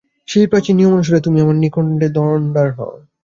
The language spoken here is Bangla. সেই প্রাচীন নিয়ম অনুসারে তুমি আমার নিকটে দণ্ডার্হ।